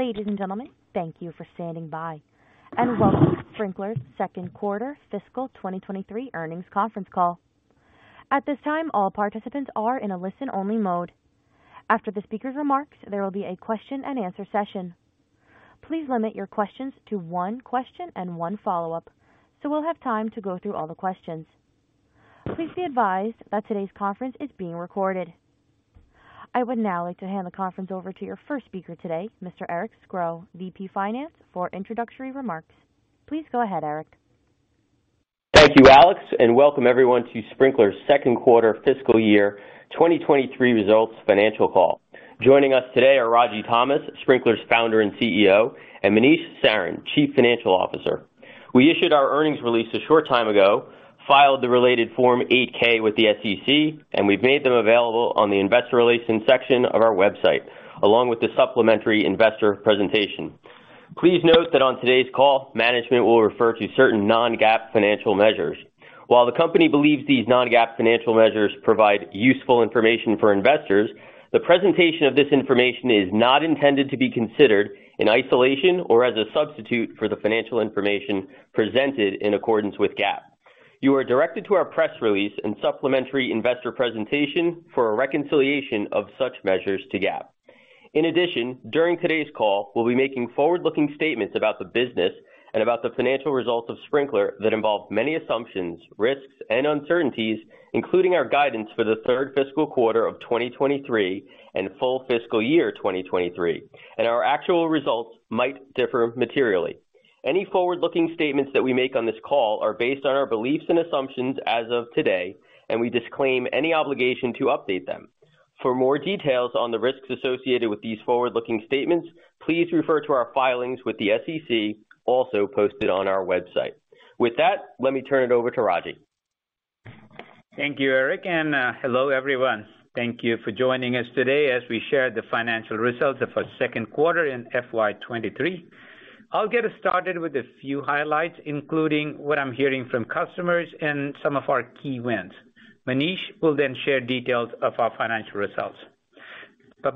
Ladies and gentlemen, thank you for standing by, and welcome to Sprinklr's second quarter fiscal 2023 earnings conference call. At this time, all participants are in a listen-only mode. After the speaker's remarks, there will be a question-and-answer session. Please limit your questions to one question and one follow-up, so we'll have time to go through all the questions. Please be advised that today's conference is being recorded. I would now like to hand the conference over to your first speaker today, Mr. Eric Scro, VP Finance, for introductory remarks. Please go ahead, Eric. Thank you, Alex, and welcome everyone to Sprinklr's second quarter fiscal year 2023 results financial call. Joining us today are Ragy Thomas, Sprinklr's founder and CEO, and Manish Sarin, Chief Financial Officer. We issued our earnings release a short time ago, filed the related Form 8-K with the SEC, and we've made them available on the investor relations section of our website, along with the supplementary investor presentation. Please note that on today's call, management will refer to certain non-GAAP financial measures. While the company believes these non-GAAP financial measures provide useful information for investors, the presentation of this information is not intended to be considered in isolation or as a substitute for the financial information presented in accordance with GAAP. You are directed to our press release and supplementary investor presentation for a reconciliation of such measures to GAAP. In addition, during today's call, we'll be making forward-looking statements about the business and about the financial results of Sprinklr that involve many assumptions, risks, and uncertainties, including our guidance for the third fiscal quarter of 2023 and full fiscal year 2023, and our actual results might differ materially. Any forward-looking statements that we make on this call are based on our beliefs and assumptions as of today, and we disclaim any obligation to update them. For more details on the risks associated with these forward-looking statements, please refer to our filings with the SEC, also posted on our website. With that, let me turn it over to Ragy. Thank you, Eric, and hello, everyone. Thank you for joining us today as we share the financial results of our second quarter in FY 2023. I'll get us started with a few highlights, including what I'm hearing from customers and some of our key wins. Manish will then share details of our financial results.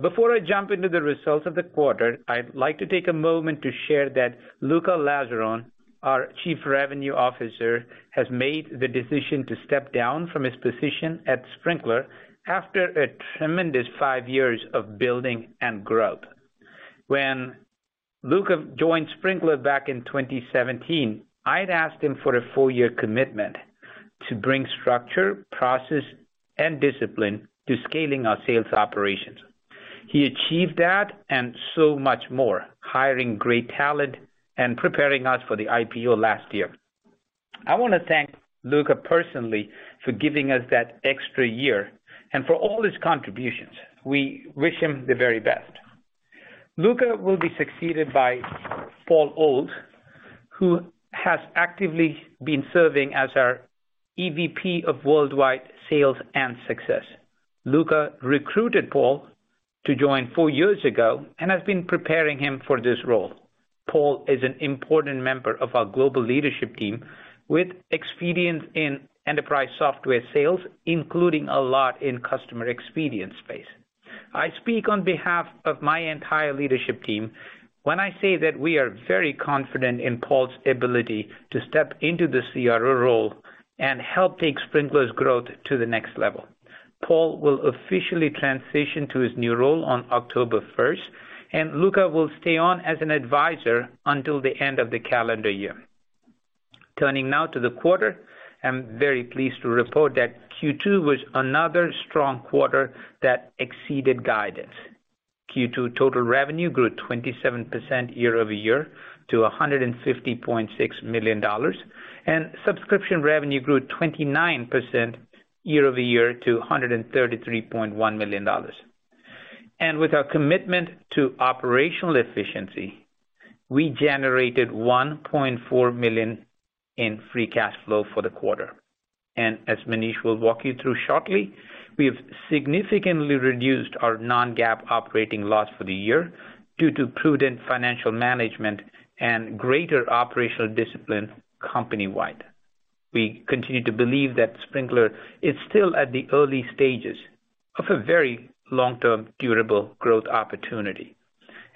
Before I jump into the results of the quarter, I'd like to take a moment to share that Luca Lazzaron, our Chief Revenue Officer, has made the decision to step down from his position at Sprinklr after a tremendous five years of building and growth. When Luca joined Sprinklr back in 2017, I'd asked him for a four-year commitment to bring structure, process, and discipline to scaling our sales operations. He achieved that and so much more, hiring great talent and preparing us for the IPO last year. I wanna thank Luca personally for giving us that extra year and for all his contributions. We wish him the very best. Luca will be succeeded by Paul Ohls, who has actively been serving as our EVP of Worldwide Sales and Success. Luca recruited Paul to join four years ago and has been preparing him for this role. Paul is an important member of our global leadership team with experience in enterprise software sales, including a lot in customer experience space. I speak on behalf of my entire leadership team when I say that we are very confident in Paul's ability to step into the CRO role and help take Sprinklr's growth to the next level. Paul will officially transition to his new role on October first, and Luca will stay on as an advisor until the end of the calendar year. Turning now to the quarter, I'm very pleased to report that Q2 was another strong quarter that exceeded guidance. Q2 total revenue grew 27% year-over-year to $150.6 million, and subscription revenue grew 29% year-over-year to $133.1 million. With our commitment to operational efficiency, we generated $1.4 million in Free Cash Flow for the quarter. As Manish will walk you through shortly, we have significantly reduced our non-GAAP operating loss for the year due to prudent financial management and greater operational discipline companywide. We continue to believe that Sprinklr is still at the early stages of a very long-term durable growth opportunity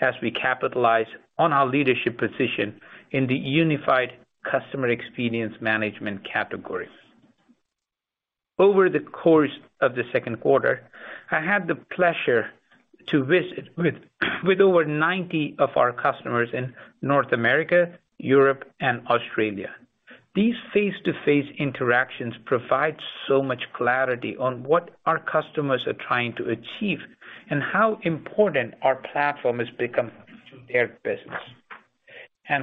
as we capitalize on our leadership position in the unified customer experience management category. Over the course of the second quarter, I had the pleasure to visit with over 90 of our customers in North America, Europe, and Australia. These face-to-face interactions provide so much clarity on what our customers are trying to achieve and how important our platform has become to their business.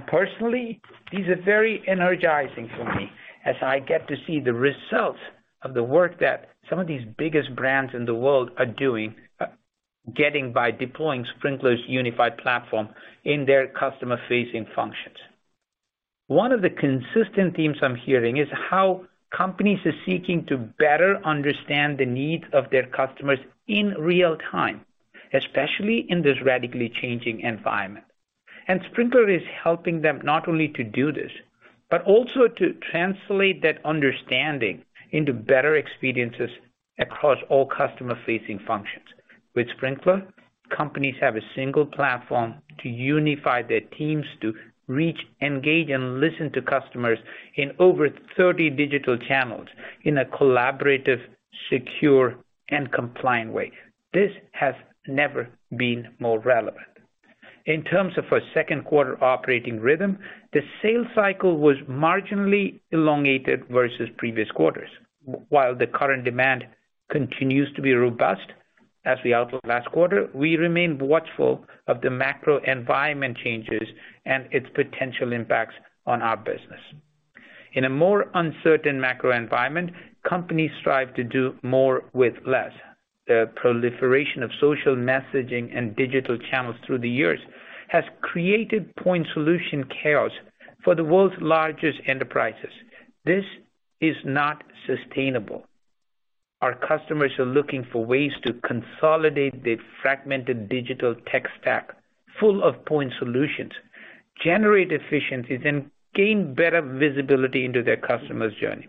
Personally, these are very energizing for me as I get to see the results of the work that some of these biggest brands in the world are doing, getting by deploying Sprinklr's unified platform in their customer-facing functions. One of the consistent themes I'm hearing is how companies are seeking to better understand the needs of their customers in real time, especially in this radically changing environment. Sprinklr is helping them not only to do this, but also to translate that understanding into better experiences across all customer-facing functions. With Sprinklr, companies have a single platform to unify their teams to reach, engage, and listen to customers in over 30 digital channels in a collaborative, secure, and compliant way. This has never been more relevant. In terms of our second quarter operating rhythm, the sales cycle was marginally elongated versus previous quarters. While the current demand continues to be robust, as we outlined last quarter, we remain watchful of the macro environment changes and its potential impacts on our business. In a more uncertain macro environment, companies strive to do more with less. The proliferation of social messaging and digital channels through the years has created point solution chaos for the world's largest enterprises. This is not sustainable. Our customers are looking for ways to consolidate their fragmented digital tech stack full of point solutions, generate efficiencies, and gain better visibility into their customers' journey.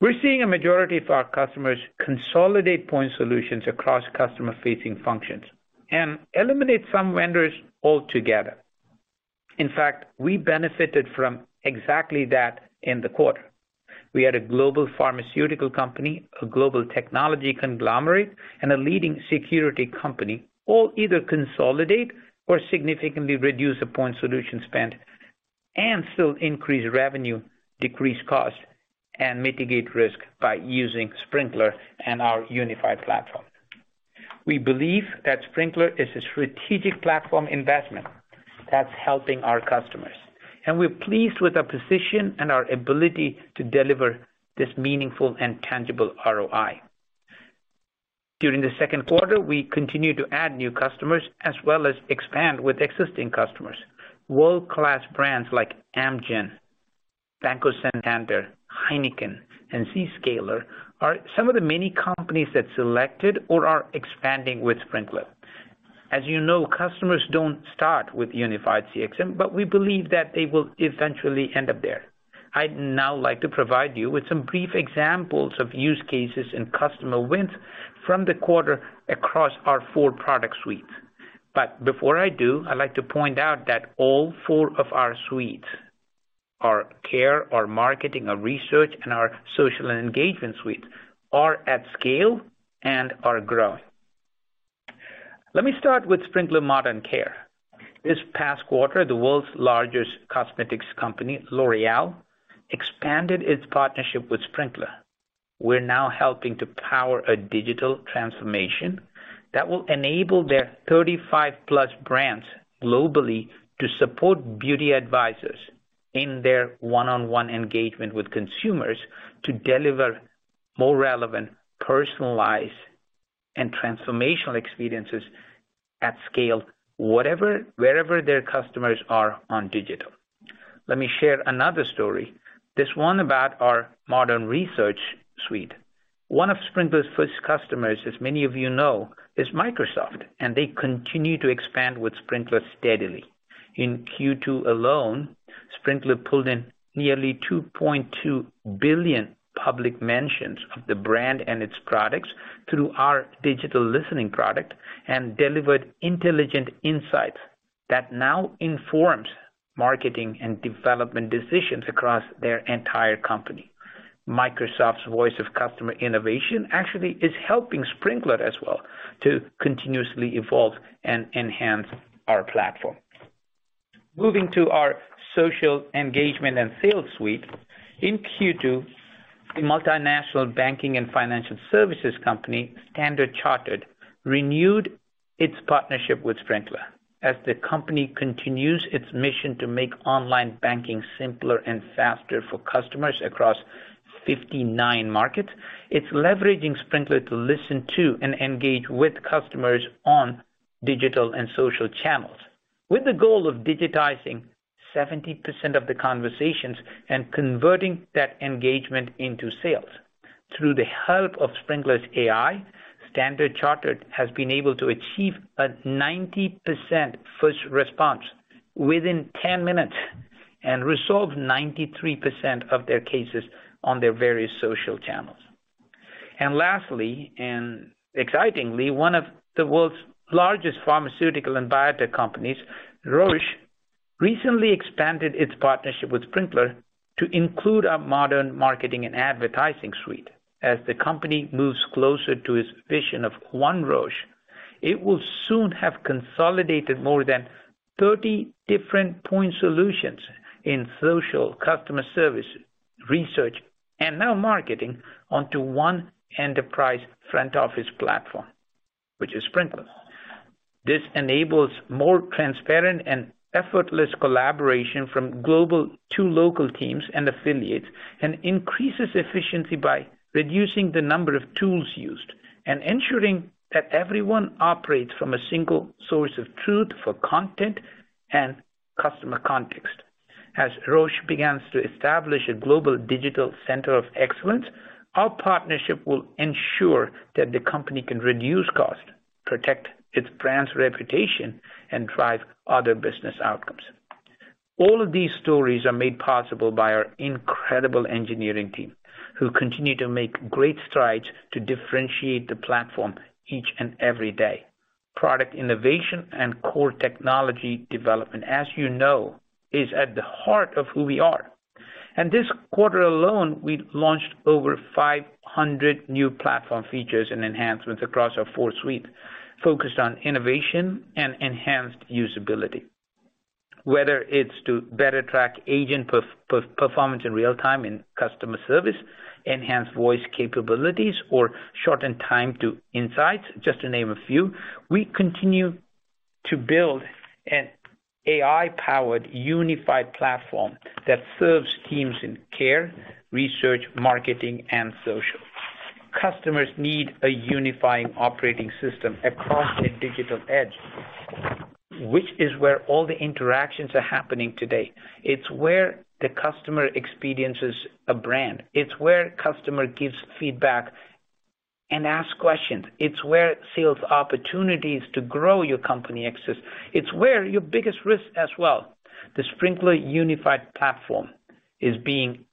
We're seeing a majority of our customers consolidate point solutions across customer-facing functions and eliminate some vendors altogether. In fact, we benefited from exactly that in the quarter. We had a global pharmaceutical company, a global technology conglomerate, and a leading security company all either consolidate or significantly reduce a point solution spend and still increase revenue, decrease costs, and mitigate risk by using Sprinklr and our unified platform. We believe that Sprinklr is a strategic platform investment that's helping our customers, and we're pleased with our position and our ability to deliver this meaningful and tangible ROI. During the second quarter, we continued to add new customers as well as expand with existing customers. World-class brands like Amgen, Banco Santander, Heineken, and Zscaler are some of the many companies that selected or are expanding with Sprinklr. As you know, customers don't start with unified CXM, but we believe that they will eventually end up there. I'd now like to provide you with some brief examples of use cases and customer wins from the quarter across our four product suites. Before I do, I'd like to point out that all four of our suites, our care, our marketing, our research, and our social engagement suite, are at scale and are growing. Let me start with Sprinklr Modern Care. This past quarter, the world's largest cosmetics company, L'Oréal, expanded its partnership with Sprinklr. We're now helping to power a digital transformation that will enable their 35+ brands globally to support beauty advisors in their one-on-one engagement with consumers to deliver more relevant, personalized, and transformational experiences at scale, wherever their customers are on digital. Let me share another story, this one about our modern research suite. One of Sprinklr's first customers, as many of you know, is Microsoft, and they continue to expand with Sprinklr steadily. In Q2 alone, Sprinklr pulled in nearly 2.2 billion public mentions of the brand and its products through our digital listening product and delivered intelligent insights that now informs marketing and development decisions across their entire company. Microsoft's voice of customer innovation actually is helping Sprinklr as well to continuously evolve and enhance our platform. Moving to our social engagement and sales suite. In Q2, a multinational banking and financial services company, Standard Chartered, renewed its partnership with Sprinklr. As the company continues its mission to make online banking simpler and faster for customers across 59 markets, it's leveraging Sprinklr to listen to and engage with customers on digital and social channels. With the goal of digitizing 70% of the conversations and converting that engagement into sales. Through the help of Sprinklr's AI, Standard Chartered has been able to achieve a 90% first response within 10-minutes and resolve 93% of their cases on their various social channels. Lastly, and excitingly, one of the world's largest pharmaceutical and biotech companies, Roche, recently expanded its partnership with Sprinklr to include our modern marketing and advertising suite. As the company moves closer to its vision of One Roche, it will soon have consolidated more than 30 different point solutions in social, customer service, research, and now marketing onto one enterprise front office platform, which is Sprinklr. This enables more transparent and effortless collaboration from global to local teams and affiliates and increases efficiency by reducing the number of tools used and ensuring that everyone operates from a single source of truth for content and customer context. As Roche begins to establish a global digital center of excellence, our partnership will ensure that the company can reduce cost, protect its brand's reputation, and drive other business outcomes. All of these stories are made possible by our incredible engineering team, who continue to make great strides to differentiate the platform each and every day. Product innovation and core technology development, as you know, is at the heart of who we are. This quarter alone, we launched over 500 new platform features and enhancements across our four suite, focused on innovation and enhanced usability. Whether it's to better track agent performance in real time in customer service, enhance voice capabilities, or shorten time to insights, just to name a few. We continue to build an AI-powered unified platform that serves teams in care, research, marketing, and social. Customers need a unifying operating system across the digital edge, which is where all the interactions are happening today. It's where the customer experiences a brand. It's where customer gives feedback and asks questions. It's where sales opportunities to grow your company exist. It's where your biggest risk as well. The Sprinklr unified platform is being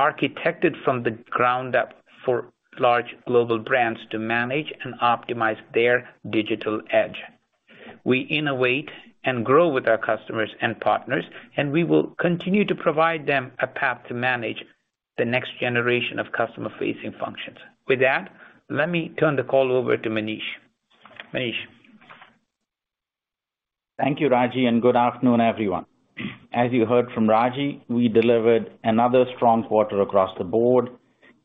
architected from the ground up for large global brands to manage and optimize their digital edge. We innovate and grow with our customers and partners, and we will continue to provide them a path to manage the next generation of customer-facing functions. With that, let me turn the call over to Manish. Manish? Thank you, Ragy, and good afternoon, everyone. As you heard from Ragy, we delivered another strong quarter across the board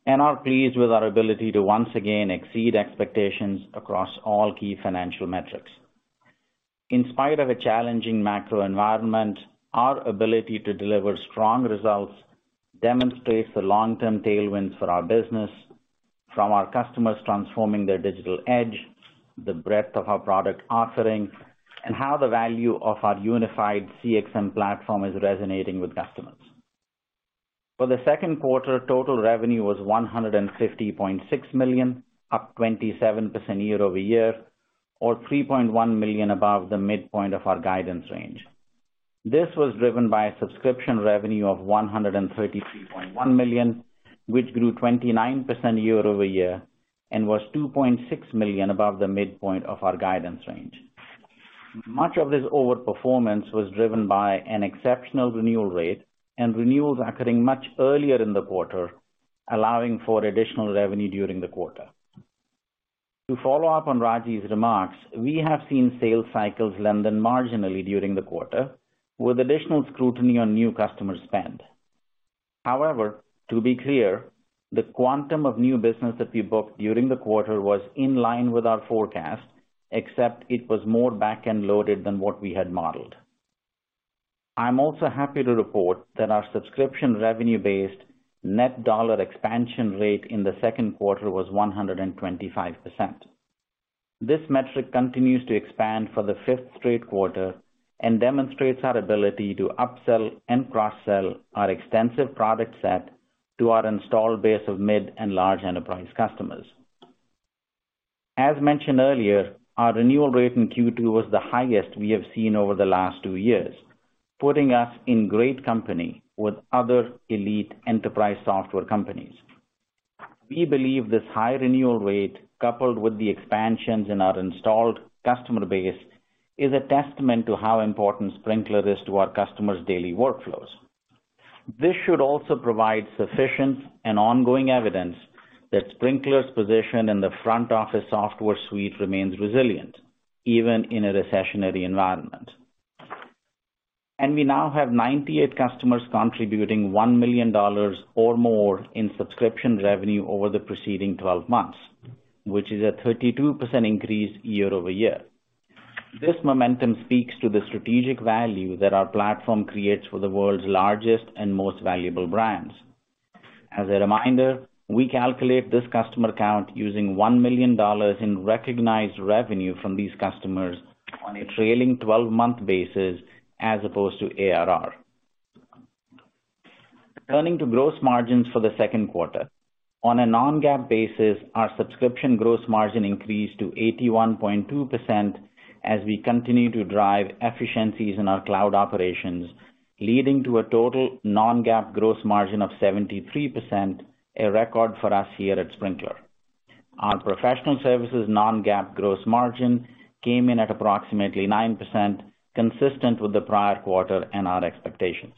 and are pleased with our ability to once again exceed expectations across all key financial metrics. In spite of a challenging macro environment, our ability to deliver strong results demonstrates the long-term tailwinds for our business from our customers transforming their digital edge, the breadth of our product offering, and how the value of our unified CXM platform is resonating with customers. For the second quarter, total revenue was $150.6 million, up 27% year-over-year, or $3.1 million above the midpoint of our guidance range. This was driven by a subscription revenue of $133.1 million, which grew 29% year-over-year and was $2.6 million above the midpoint of our guidance range. Much of this overperformance was driven by an exceptional renewal rate and renewals occurring much earlier in the quarter, allowing for additional revenue during the quarter. To follow up on Ragy's remarks, we have seen sales cycles lengthen marginally during the quarter, with additional scrutiny on new customer spend. However, to be clear, the quantum of new business that we booked during the quarter was in line with our forecast, except it was more back-end loaded than what we had modeled. I'm also happy to report that our subscription revenue-based net dollar expansion rate in the second quarter was 125%. This metric continues to expand for the fifth straight quarter and demonstrates our ability to upsell and cross-sell our extensive product set to our installed base of mid and large enterprise customers. As mentioned earlier, our renewal rate in Q2 was the highest we have seen over the last two years, putting us in great company with other elite enterprise software companies. We believe this high renewal rate, coupled with the expansions in our installed customer base, is a testament to how important Sprinklr is to our customers' daily workflows. This should also provide sufficient and ongoing evidence that Sprinklr's position in the front office software suite remains resilient, even in a recessionary environment. We now have 98 customers contributing $1 million or more in subscription revenue over the preceding 12-months, which is a 32% increase year-over-year. This momentum speaks to the strategic value that our platform creates for the world's largest and most valuable brands. As a reminder, we calculate this customer count using $1 million in recognized revenue from these customers on a trailing 12-month basis as opposed to ARR. Turning to gross margins for the second quarter. On a non-GAAP basis, our subscription gross margin increased to 81.2% as we continue to drive efficiencies in our cloud operations, leading to a total non-GAAP gross margin of 73%, a record for us here at Sprinklr. Our professional services non-GAAP gross margin came in at approximately 9%, consistent with the prior quarter and our expectations.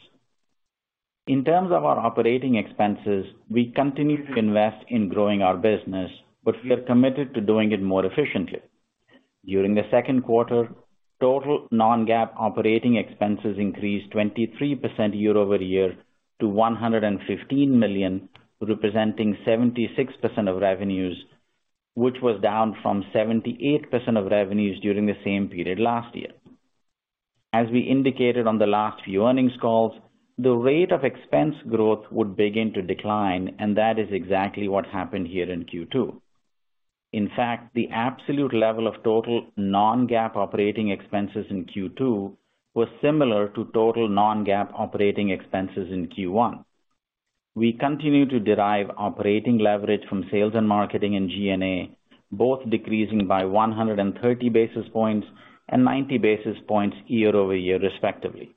In terms of our operating expenses, we continue to invest in growing our business, but we are committed to doing it more efficiently. During the second quarter, total non-GAAP operating expenses increased 23% year-over-year to $115 million, representing 76% of revenues, which was down from 78% of revenues during the same period last year. As we indicated on the last few earnings calls, the rate of expense growth would begin to decline, and that is exactly what happened here in Q2. In fact, the absolute level of total non-GAAP operating expenses in Q2 was similar to total non-GAAP operating expenses in Q1. We continue to derive operating leverage from sales and marketing and G&A, both decreasing by 130 basis points and 90 basis points year-over-year respectively.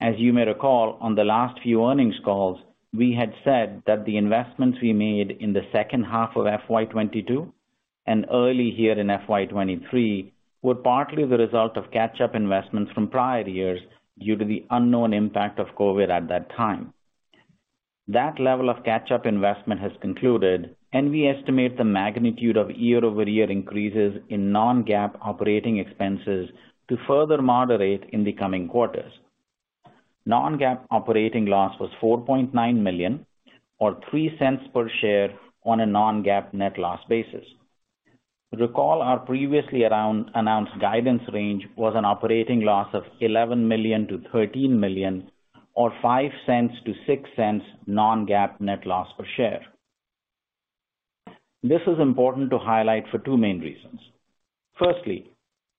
As you may recall, on the last few earnings calls, we had said that the investments we made in the second half of FY 2022 and early here in FY 2023 were partly the result of catch-up investments from prior years due to the unknown impact of COVID at that time. That level of catch-up investment has concluded, and we estimate the magnitude of year-over-year increases in non-GAAP operating expenses to further moderate in the coming quarters. Non-GAAP operating loss was $4.9 million or $0.03 per share on a non-GAAP net loss basis. Recall our previously announced guidance range was an operating loss of $11 million-$13 million, or $0.05-$0.06 non-GAAP net loss per share. This is important to highlight for two main reasons. Firstly,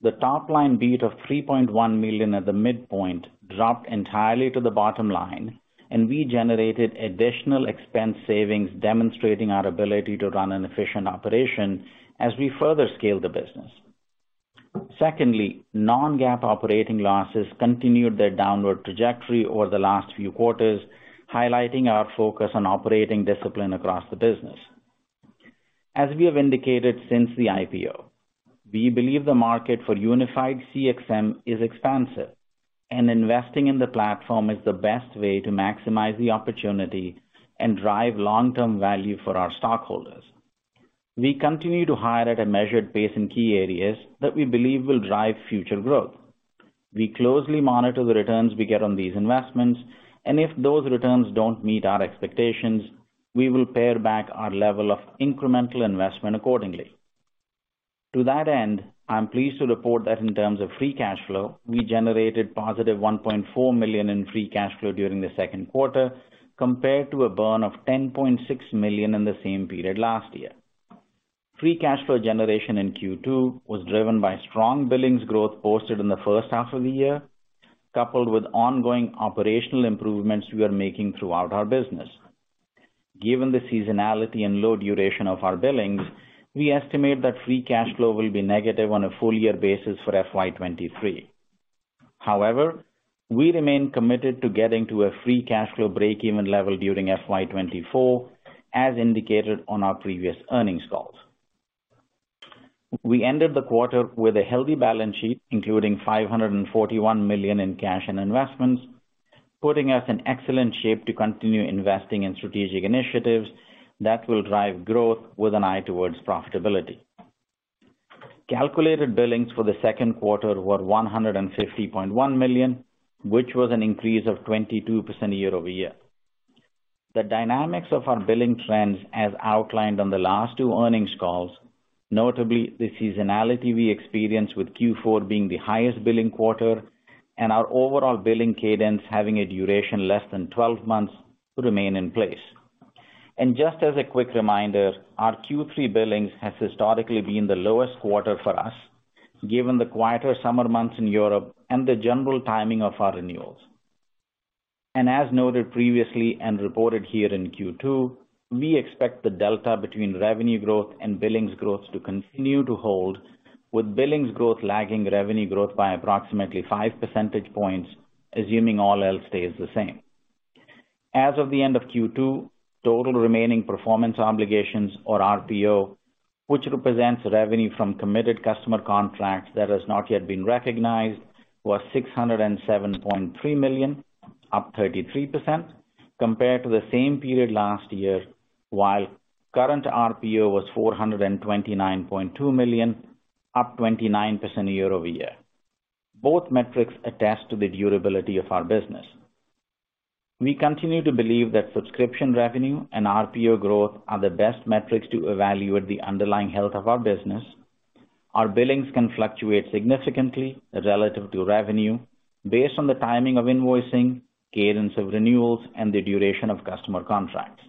the top line beat of $3.1 million at the midpoint dropped entirely to the bottom line, and we generated additional expense savings, demonstrating our ability to run an efficient operation as we further scale the business. Secondly, non-GAAP operating losses continued their downward trajectory over the last few quarters, highlighting our focus on operating discipline across the business. As we have indicated since the IPO, we believe the market for unified CXM is expansive, and investing in the platform is the best way to maximize the opportunity and drive long-term value for our stockholders. We continue to hire at a measured pace in key areas that we believe will drive future growth. We closely monitor the returns we get on these investments, and if those returns don't meet our expectations, we will pare back our level of incremental investment accordingly. To that end, I'm pleased to report that in terms of Free Cash Flow, we generated positive $1.4 million in Free Cash Flow during the second quarter, compared to a burn of $10.6 million in the same period last year. Free Cash Flow generation in Q2 was driven by strong billings growth posted in the first half of the year, coupled with ongoing operational improvements we are making throughout our business. Given the seasonality and low duration of our billings, we estimate that Free Cash Flow will be negative on a full year basis for FY 2023. However, we remain committed to getting to a Free Cash Flow breakeven level during FY 2024, as indicated on our previous earnings calls. We ended the quarter with a healthy balance sheet, including $541 million in cash and investments, putting us in excellent shape to continue investing in strategic initiatives that will drive growth with an eye towards profitability. Calculated billings for the second quarter were $150.1 million, which was an increase of 22% year-over-year. The dynamics of our billing trends, as outlined on the last two earnings calls, notably the seasonality we experience with Q4 being the highest billing quarter and our overall billing cadence having a duration less than 12 months, remain in place. Just as a quick reminder, our Q3 billings has historically been the lowest quarter for us, given the quieter summer months in Europe and the general timing of our renewals. As noted previously and reported here in Q2, we expect the delta between revenue growth and billings growth to continue to hold, with billings growth lagging revenue growth by approximately 5 percentage points, assuming all else stays the same. As of the end of Q2, total remaining performance obligations or RPO, which represents revenue from committed customer contracts that has not yet been recognized, was $607.3 million, up 33% compared to the same period last year, while current RPO was $429.2 million, up 29% year-over-year. Both metrics attest to the durability of our business. We continue to believe that subscription revenue and RPO growth are the best metrics to evaluate the underlying health of our business. Our billings can fluctuate significantly relative to revenue based on the timing of invoicing, cadence of renewals, and the duration of customer contracts.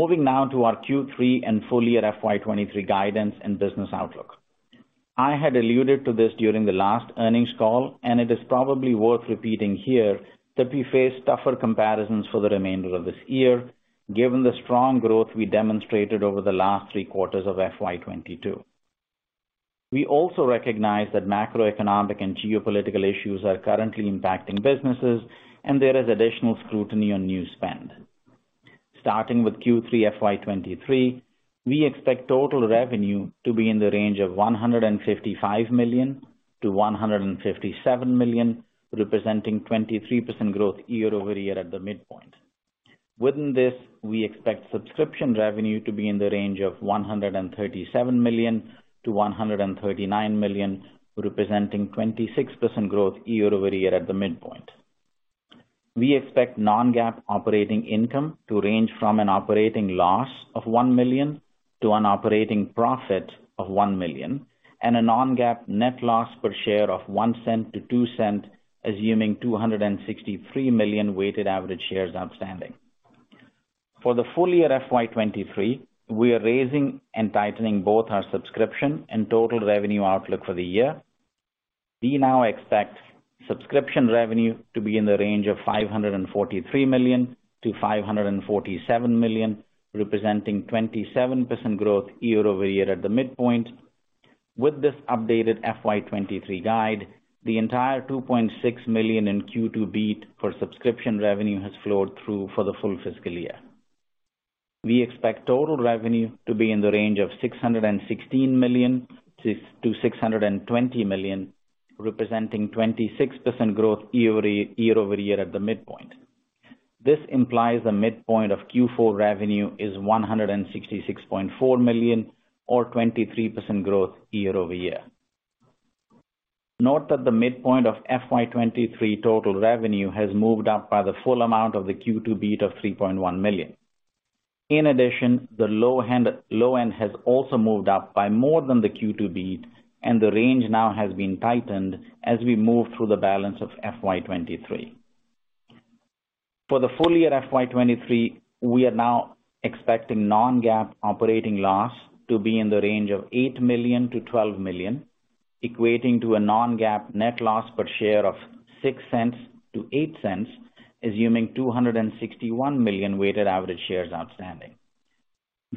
Moving now to our Q3 and full year FY 2023 guidance and business outlook. I had alluded to this during the last earnings call, and it is probably worth repeating here that we face tougher comparisons for the remainder of this year, given the strong growth we demonstrated over the last three quarters of FY 2022. We also recognize that macroeconomic and geopolitical issues are currently impacting businesses and there is additional scrutiny on new spend. Starting with Q3 FY 2023, we expect total revenue to be in the range of $155 million-$157 million, representing 23% growth year-over-year at the midpoint. Within this, we expect subscription revenue to be in the range of $137 million-$139 million, representing 26% growth year-over-year at the midpoint. We expect non-GAAP operating income to range from an operating loss of $1 million to an operating profit of $1 million, and a non-GAAP net loss per share of $0.01-$0.02, assuming 263 million weighted average shares outstanding. For the full year FY 2023, we are raising and tightening both our subscription and total revenue outlook for the year. We now expect subscription revenue to be in the range of $543 million-$547 million, representing 27% growth year-over-year at the midpoint. With this updated FY 2023 guide, the entire $2.6 million in Q2 beat for subscription revenue has flowed through for the full fiscal year. We expect total revenue to be in the range of $616 million-$620 million, representing 26% growth year-over-year at the midpoint. This implies a midpoint of Q4 revenue is $166.4 million or 23% growth year-over-year. Note that the midpoint of FY 2023 total revenue has moved up by the full amount of the Q2 beat of $3.1 million. In addition, the low end has also moved up by more than the Q2 beat, and the range now has been tightened as we move through the balance of FY 2023. For the full year FY 2023, we are now expecting non-GAAP operating loss to be in the range of $8 million-$12 million, equating to a non-GAAP net loss per share of $0.06-$0.08, assuming 261 million weighted average shares outstanding.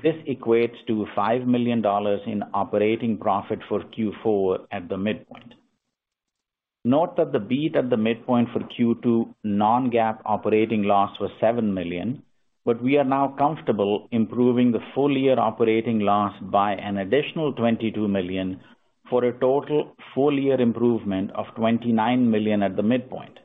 This equates to $5 million in operating profit for Q4 at the midpoint. Note that the beat at the midpoint for Q2 non-GAAP operating loss was $7 million, but we are now comfortable improving the full-year operating loss by an additional $22 million for a total full-year improvement of $29 million at the midpoint.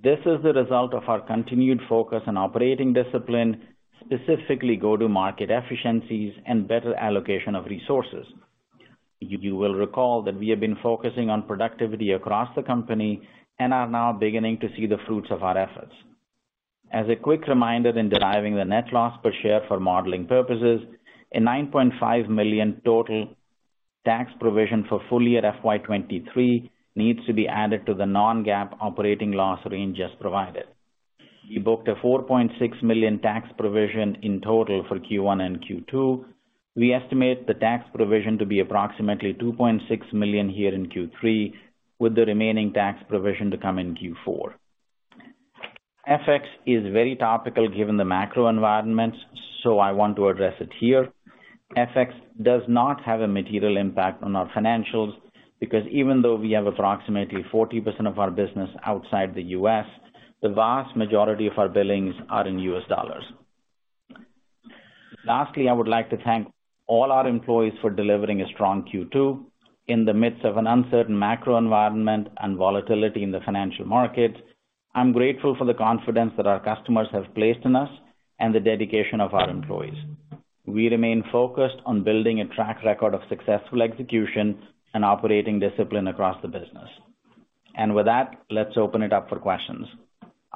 This is the result of our continued focus on operating discipline, specifically go-to-market efficiencies and better allocation of resources. You will recall that we have been focusing on productivity across the company and are now beginning to see the fruits of our efforts. As a quick reminder in deriving the net loss per share for modeling purposes, a $9.5 million total tax provision for full year FY 2023 needs to be added to the non-GAAP operating loss range just provided. We booked a $4.6 million tax provision in total for Q1 and Q2. We estimate the tax provision to be approximately $2.6 million here in Q3, with the remaining tax provision to come in Q4. FX is very topical given the macro environment, so I want to address it here. FX does not have a material impact on our financials because even though we have approximately 40% of our business outside the U.S., the vast majority of our billings are in U.S. dollars. Lastly, I would like to thank all our employees for delivering a strong Q2 in the midst of an uncertain macro environment and volatility in the financial markets. I'm grateful for the confidence that our customers have placed in us and the dedication of our employees. We remain focused on building a track record of successful execution and operating discipline across the business. With that, let's open it up for questions.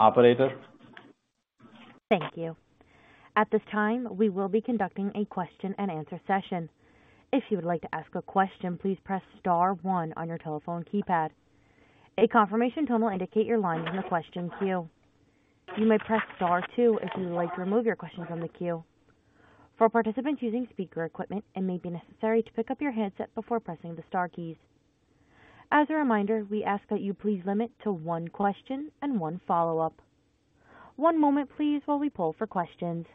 Operator? Thank you. At this time, we will be conducting a question-and-answer session. If you would like to ask a question, please press star one on your telephone keypad. A confirmation tone will indicate your line is in the question queue. You may press star two if you would like to remove your question from the queue. For participants using speaker equipment, it may be necessary to pick up your handset before pressing the star keys. As a reminder, we ask that you please limit to one question and one follow-up. One moment please while we poll for questions.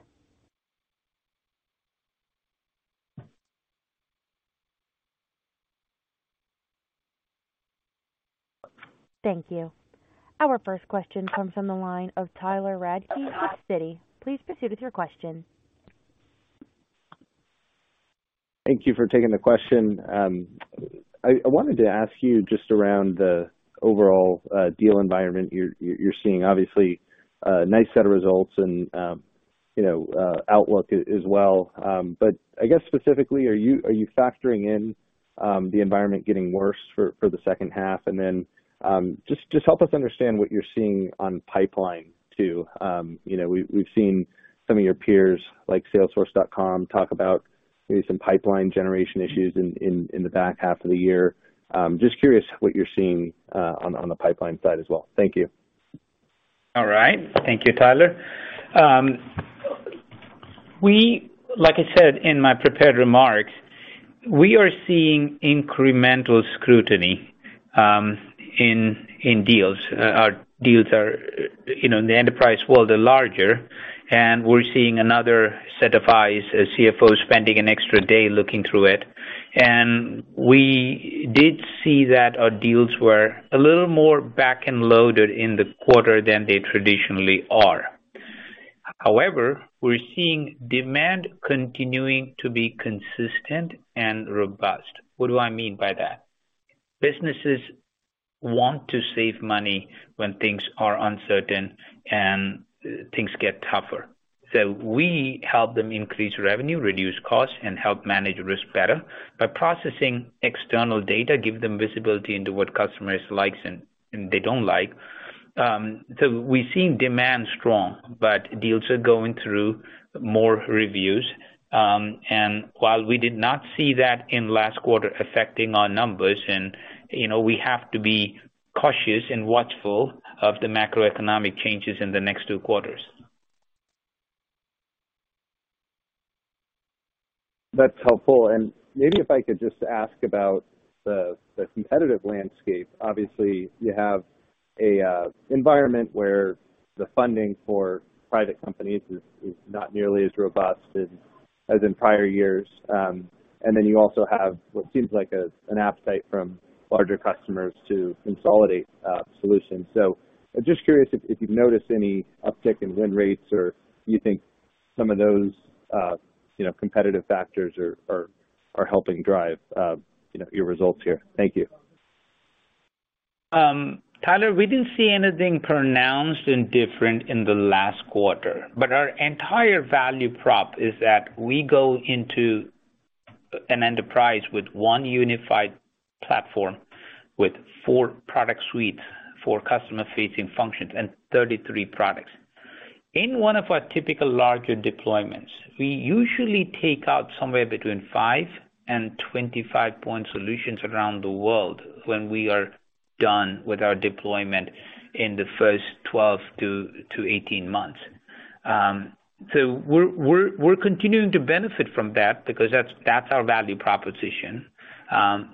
Thank you. Our first question comes from the line of Tyler Radke of Citi. Please proceed with your question. Thank you for taking the question. I wanted to ask you just around the overall deal environment you're seeing obviously a nice set of results and, you know, outlook as well. I guess specifically, are you factoring in the environment getting worse for the second half? Just help us understand what you're seeing on pipeline too. You know, we've seen some of your peers, like Salesforce, talk about maybe some pipeline generation issues in the back half of the year. Just curious what you're seeing on the pipeline side as well. Thank you. All right. Thank you, Tyler. Like I said in my prepared remarks, we are seeing incremental scrutiny in deals. Our deals are, you know, in the enterprise world are larger, and we're seeing another set of eyes, a CFO spending an extra day looking through it. We did see that our deals were a little more back-end loaded in the quarter than they traditionally are. However, we're seeing demand continuing to be consistent and robust. What do I mean by that? Businesses want to save money when things are uncertain and things get tougher. We help them increase revenue, reduce costs, and help manage risk better by processing external data, give them visibility into what customers like and they don't like. We're seeing demand strong, but deals are going through more reviews. While we did not see that in last quarter affecting our numbers, and, you know, we have to be Cautious and watchful of the macroeconomic changes in the next two quarters. That's helpful. Maybe if I could just ask about the competitive landscape. Obviously, you have an environment where the funding for private companies is not nearly as robust as in prior years. You also have what seems like an appetite from larger customers to consolidate solutions. I'm just curious if you've noticed any uptick in win rates or you think some of those, you know, competitive factors are helping drive, you know, your results here. Thank you. Tyler, we didn't see anything pronounced and different in the last quarter, but our entire value prop is that we go into an enterprise with one unified platform, with four product suites, four customer-facing functions, and 33 products. In one of our typical larger deployments, we usually take out somewhere between 5 and 25 point solutions around the world when we are done with our deployment in the first 12 to 18 months. We're continuing to benefit from that because that's our value proposition.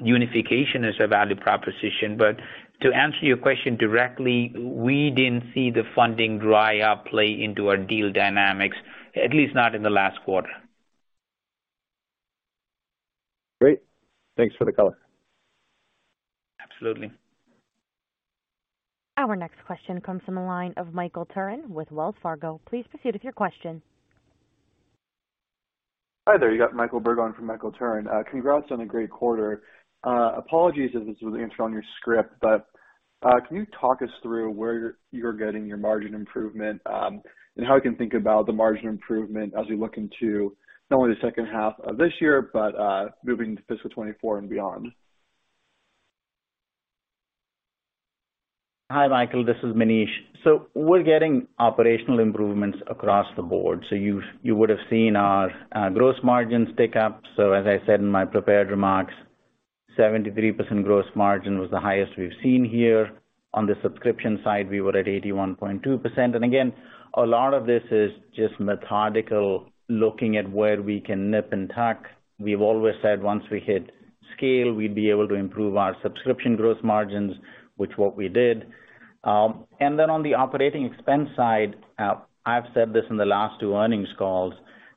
Unification is a value proposition. To answer your question directly, we didn't see the funding dry up play into our deal dynamics, at least not in the last quarter. Great. Thanks for the color. Absolutely. Our next question comes from the line of Michael Turrin with Wells Fargo. Please proceed with your question. Hi there. You've got Michael Berg from Michael Turrin. Congrats on a great quarter. Apologies if this was answered on your script, but can you talk us through where you're getting your margin improvement, and how we can think about the margin improvement as we look into not only the second half of this year, but moving to fiscal 2024 and beyond? Hi, Michael. This is Manish. We're getting operational improvements across the board. You would have seen our gross margins tick up. As I said in my prepared remarks, 73% gross margin was the highest we've seen here. On the subscription side, we were at 81.2%. Again, a lot of this is just methodical, looking at where we can nip and tuck. We've always said once we hit scale, we'd be able to improve our subscription gross margins, which what we did. On the operating expense side, I've said this in the last two earnings calls,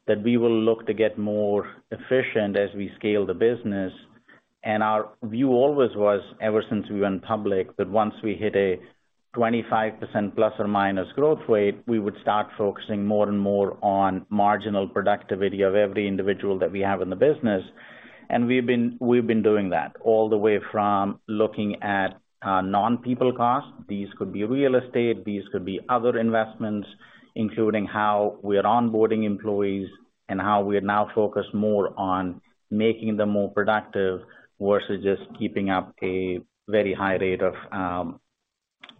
that we will look to get more efficient as we scale the business. Our view always was, ever since we went public, that once we hit a 25% ± growth rate, we would start focusing more and more on marginal productivity of every individual that we have in the business. We've been doing that, all the way from looking at non-people costs. These could be real estate, these could be other investments, including how we are onboarding employees and how we are now focused more on making them more productive versus just keeping up a very high rate of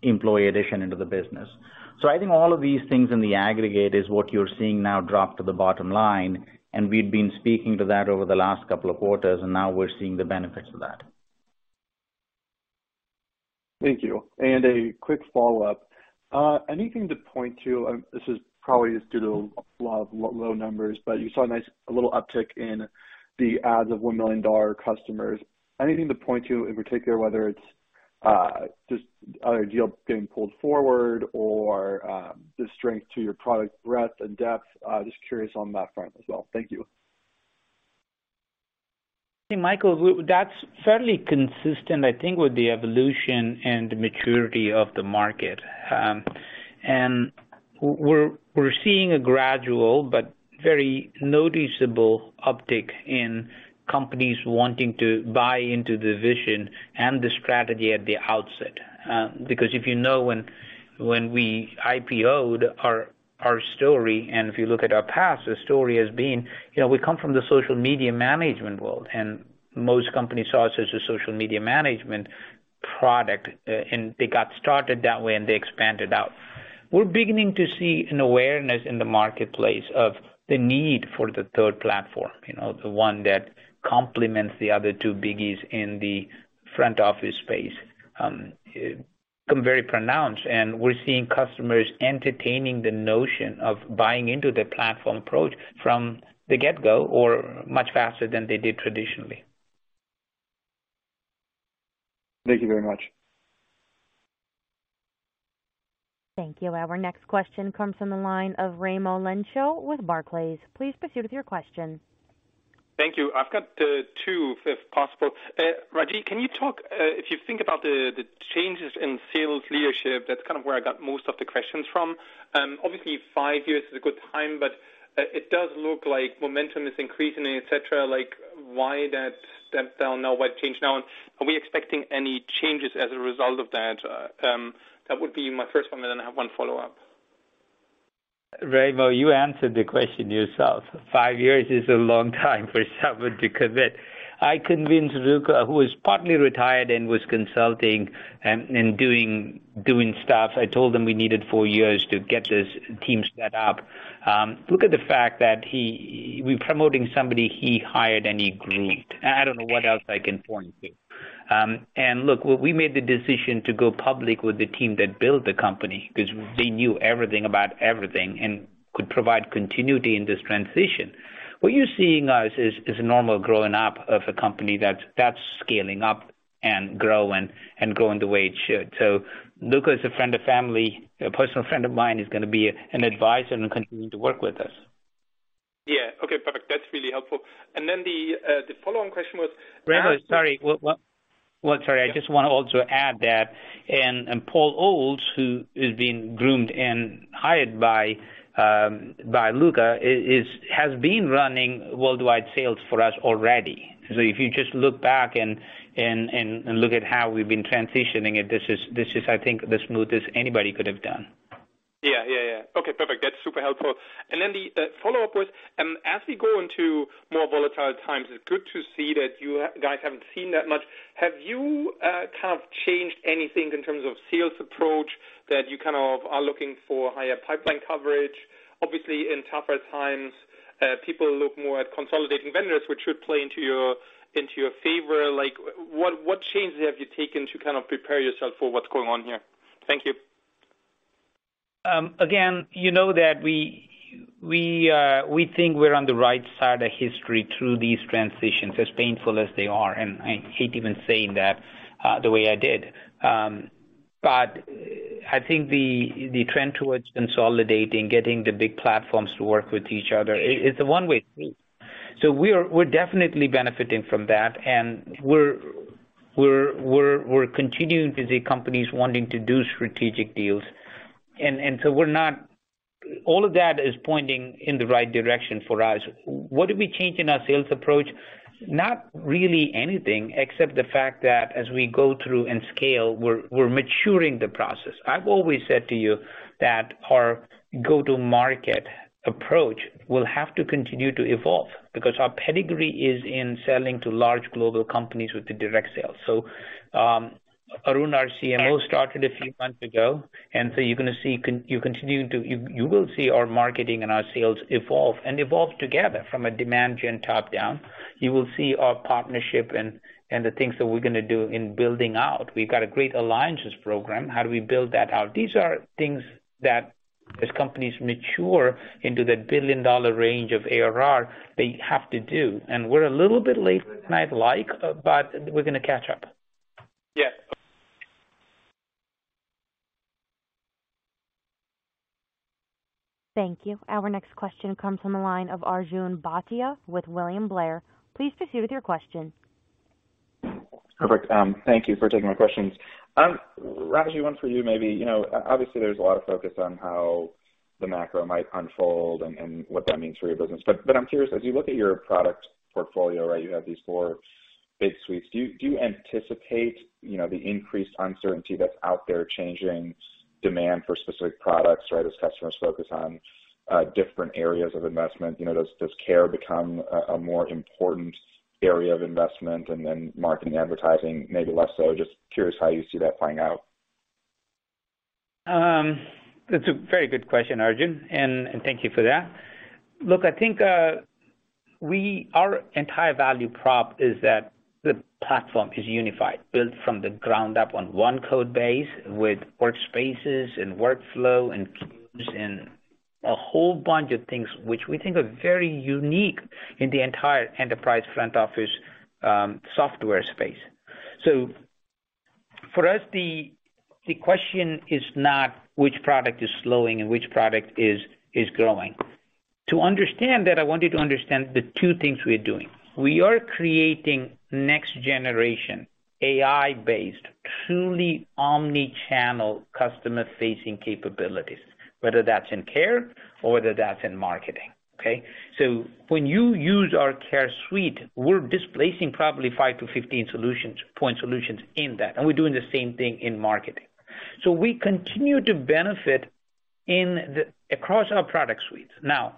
employee addition into the business. I think all of these things in the aggregate is what you're seeing now drop to the bottom line. We've been speaking to that over the last couple of quarters, and now we're seeing the benefits of that. Thank you. A quick follow-up. Anything to point to, this is probably just due to a lot of low numbers, but you saw a little uptick in the adds of $1 million customers. Anything to point to in particular, whether it's just a deal getting pulled forward or, the strength to your product breadth and depth? Just curious on that front as well. Thank you. Michael, that's fairly consistent, I think, with the evolution and maturity of the market. We're seeing a gradual but very noticeable uptick in companies wanting to buy into the vision and the strategy at the outset. Because you know when we IPO'd our story, and if you look at our past, the story has been, you know, we come from the social media management world, and most companies saw us as a social media management product, and they got started that way, and they expanded out. We're beginning to see an awareness in the marketplace of the need for the third platform, you know, the one that complements the other two biggies in the front office space, has become very pronounced. We're seeing customers entertaining the notion of buying into the platform approach from the get-go or much faster than they did traditionally. Thank you very much. Thank you. Our next question comes from the line of Raimo Lenschow with Barclays. Please proceed with your question. Thank you. I've got two, if possible. Ragy, can you talk if you think about the changes in sales leadership, that's kind of where I got most of the questions from. Obviously, five years is a good time, but it does look like momentum is increasing, et cetera. Like, why that step down now? Why change now? Are we expecting any changes as a result of that? That would be my first one, and then I have one follow-up. Raimo, you answered the question yourself. Five years is a long time for someone to commit. I convinced Luca, who was partly retired and was consulting and doing stuff. I told him we needed four years to get this team set up. Look at the fact that we're promoting somebody he hired and he groomed. I don't know what else I can point to. Look, we made the decision to go public with the team that built the company 'cause they knew everything about everything and could provide continuity in this transition. What you're seeing now is a normal growing up of a company that's scaling up and growing the way it should. Luca is a friend of family, a personal friend of mine. He's gonna be an advisor and continue to work with us. Yeah. Okay, perfect. That's really helpful. The follow-on question was. Raimo, sorry. Well, sorry, I just wanna also add that, and Paul Ohls, who is being groomed and hired by Luca has been running worldwide sales for us already. If you just look back and look at how we've been transitioning it, this is, I think, the smoothest anybody could have done. Yeah. Okay, perfect. That's super helpful. Then the follow-up was, as we go into more volatile times, it's good to see that you guys haven't seen that much. Have you kind of changed anything in terms of sales approach that you kind of are looking for higher pipeline coverage? Obviously, in tougher times, people look more at consolidating vendors, which should play into your favor. Like what changes have you taken to kind of prepare yourself for what's going on here? Thank you. Again, you know that we think we're on the right side of history through these transitions, as painful as they are, and I hate even saying that, the way I did. I think the trend towards consolidating, getting the big platforms to work with each other is a one-way street. We're definitely benefiting from that, and we're continuing to see companies wanting to do strategic deals. All of that is pointing in the right direction for us. What did we change in our sales approach? Not really anything, except the fact that as we go through and scale, we're maturing the process. I've always said to you that our go-to-market approach will have to continue to evolve because our pedigree is in selling to large global companies with direct sales. Arun, our CMO, started a few months ago, and so you're gonna see. You will see our marketing and our sales evolve together from a demand gen top-down. You will see our partnerships and the things that we're gonna do in building out. We've got a great alliances program. How do we build that out? These are things that as companies mature into that billion-dollar range of ARR, they have to do. We're a little bit later than I'd like, but we're gonna catch up. Yeah. Thank you. Our next question comes from the line of Arjun Bhatia with William Blair. Please proceed with your question. Perfect. Thank you for taking my questions. Ragy, one for you maybe. You know, obviously, there's a lot of focus on how the macro might unfold and what that means for your business, but I'm curious, as you look at your product portfolio, right, you have these four big suites, do you anticipate, you know, the increased uncertainty that's out there changing demand for specific products, right? As customers focus on different areas of investment, you know, does care become a more important area of investment and then marketing, advertising, maybe less so? Just curious how you see that playing out. That's a very good question, Arjun, and thank you for that. Look, I think, our entire value prop is that the platform is unified, built from the ground up on one code base with workspaces and workflow and queues and a whole bunch of things which we think are very unique in the entire enterprise front office, software space. For us, the question is not which product is slowing and which product is growing. To understand that, I want you to understand the two things we are doing. We are creating next generation, AI-based, truly omni-channel customer-facing capabilities, whether that's in care or whether that's in marketing, okay? When you use our care suite, we're displacing probably five to 15 solutions, point solutions in that, and we're doing the same thing in marketing. We continue to benefit across our product suites. Now,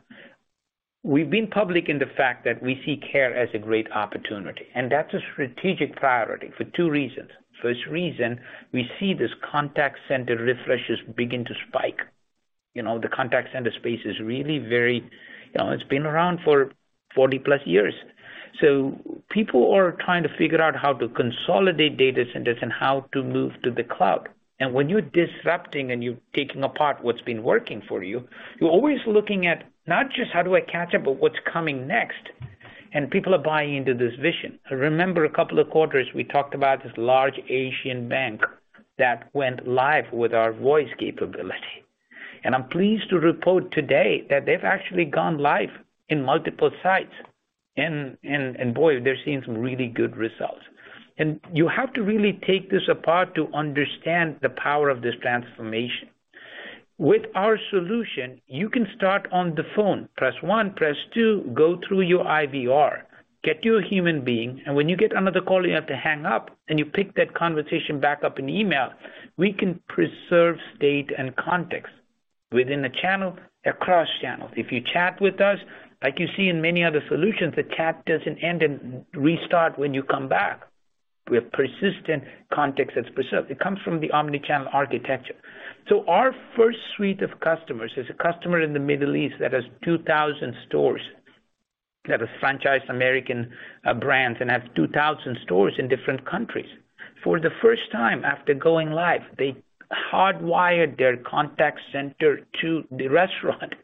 we've been public in the fact that we see care as a great opportunity, and that's a strategic priority for two reasons. First reason, we see this contact center refreshes begin to spike. You know, the contact center space is really very. You know, it's been around for 40+ years. People are trying to figure out how to consolidate data centers and how to move to the cloud. When you're disrupting and you're taking apart what's been working for you're always looking at not just how do I catch up, but what's coming next. People are buying into this vision. Remember a couple of quarters, we talked about this large Asian bank that went live with our voice capability. I'm pleased to report today that they've actually gone live in multiple sites and boy, they're seeing some really good results. You have to really take this apart to understand the power of this transformation. With our solution, you can start on the phone, press one, press two, go through your IVR, get you a human being, and when you get another call, you have to hang up and you pick that conversation back up in email. We can preserve state and context within a channel, across channels. If you chat with us, like you see in many other solutions, the chat doesn't end and restart when you come back. We have persistent context that's preserved. It comes from the omni-channel architecture. Our first suite of customers is a customer in the Middle East that has 2,000 stores. That was franchised American brands and have 2,000 stores in different countries. For the first time after going live, they hardwired their contact center to the restaurant.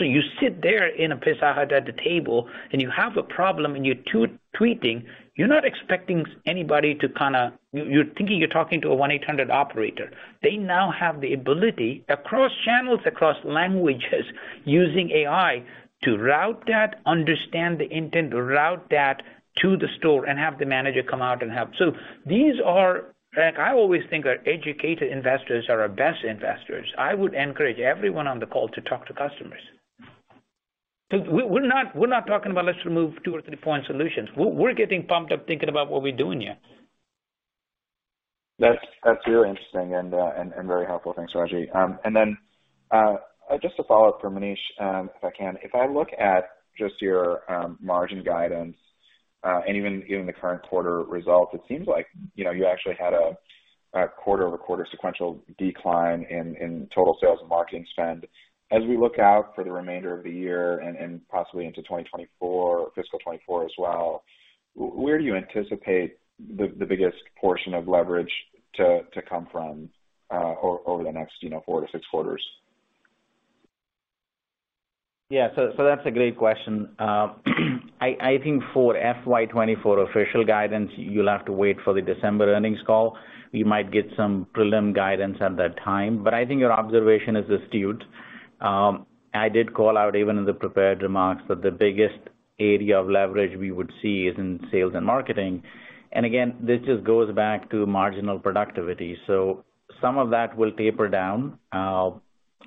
You sit there in a Pizza Hut at the table, and you have a problem, and you're tweeting, you're not expecting anybody to kinda. You're thinking you're talking to a 1-800 operator. They now have the ability across channels, across languages, using AI to route that, understand the intent, to route that to the store and have the manager come out and help. These are. Like, I always think our educated investors are our best investors. I would encourage everyone on the call to talk to customers. We're not talking about let's remove two or three point solutions. We're getting pumped up thinking about what we're doing here. That's really interesting and very helpful. Thanks, Ragy. Just a follow-up for Manish, if I can. If I look at just your margin guidance, and even the current quarter results, it seems like you know you actually had a quarter-over-quarter sequential decline in total sales and marketing spend. As we look out for the remainder of the year and possibly into 2024, fiscal 2024 as well, where do you anticipate the biggest portion of leverage to come from over the next you know four to six quarters? Yeah. That's a great question. I think for FY 2024 official guidance, you'll have to wait for the December earnings call. We might get some prelim guidance at that time, but I think your observation is astute. I did call out even in the prepared remarks that the biggest area of leverage we would see is in sales and marketing. Again, this just goes back to marginal productivity. Some of that will taper down.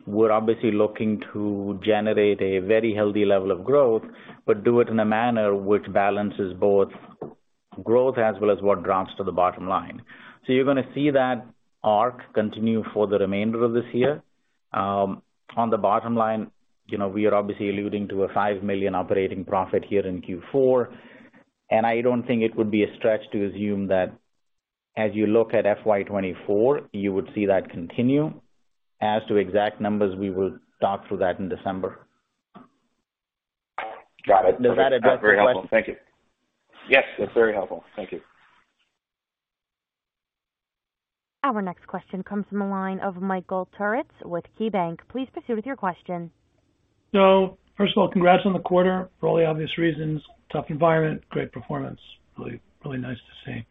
We're obviously looking to generate a very healthy level of growth, but do it in a manner which balances both growth as well as what drops to the bottom line. You're gonna see that arc continue for the remainder of this year. On the bottom line, you know, we are obviously alluding to a $5 million operating profit here in Q4, and I don't think it would be a stretch to assume that as you look at FY 2024, you would see that continue. As to exact numbers, we will talk through that in December. Got it. Does that address the question? That's very helpful. Thank you. Yes, that's very helpful. Thank you. Our next question comes from the line of Michael Turits with KeyBanc. Please proceed with your question. First of all, congrats on the quarter for all the obvious reasons. Tough environment, great performance. Really, really nice to see.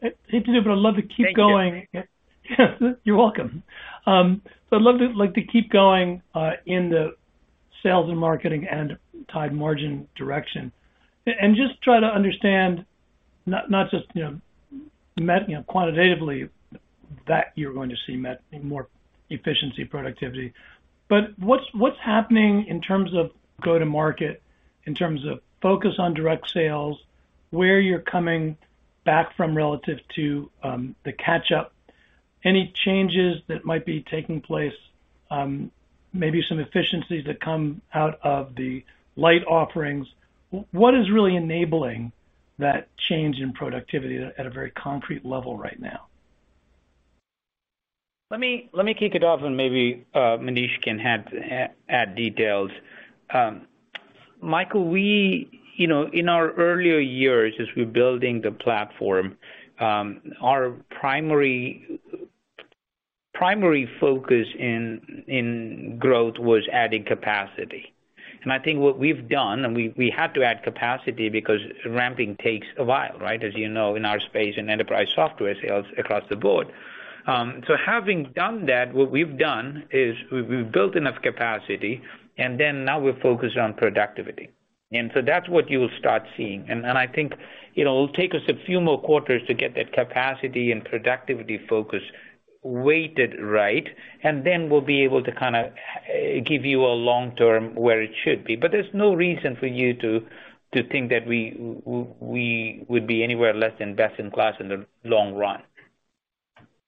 Hate to do it, but I'd love to keep going. Thank you. Yeah. You're welcome. So I'd love to, like, to keep going in the sales and marketing and tight margin direction and just try to understand not just, you know, quantitatively that you're going to see more efficiency, productivity, but what's happening in terms of go-to-market, in terms of focus on direct sales, where you're coming back from relative to the catch-up, any changes that might be taking place, maybe some efficiencies that come out of the light offerings. What is really enabling that change in productivity at a very concrete level right now? Let me kick it off and maybe Manish can add details. Michael, we, you know, in our earlier years as we're building the platform, our primary focus in growth was adding capacity. I think what we've done, we had to add capacity because ramping takes a while, right, as you know, in our space in enterprise software sales across the board. Having done that, what we've done is we've built enough capacity and then now we're focused on productivity. That's what you'll start seeing. I think, you know, it'll take us a few more quarters to get that capacity and productivity focus weighted right, and then we'll be able to kinda give you a long-term where it should be. There's no reason for you to think that we would be anywhere less than best in class in the long run.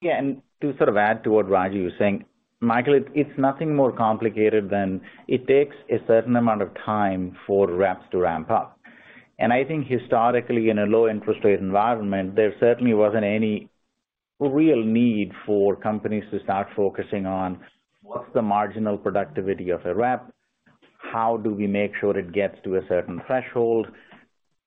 Yeah. To sort of add to what Ragy was saying, Michael, it's nothing more complicated than it takes a certain amount of time for reps to ramp up. I think historically in a low interest rate environment, there certainly wasn't any real need for companies to start focusing on what's the marginal productivity of a rep, how do we make sure it gets to a certain threshold.